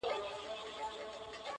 له هیڅ پلوه د مقایسې وړ نه دي -